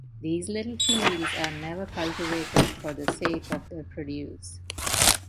These little fields are never cultivated for the sake of their produce.